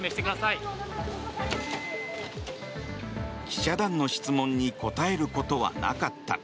記者団の質問に答えることはなかった。